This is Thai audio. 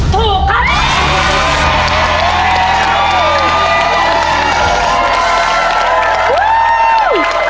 ถูกถูกถูกถูกถูกถูกถูก